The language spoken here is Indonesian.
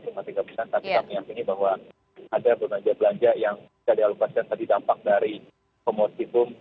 tapi kami yakin bahwa ada belanja belanja yang tidak dialokasikan tadi dampak dari komorsifum